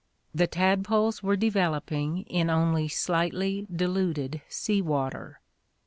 The tadpoles were developing in only slightly diluted sea water.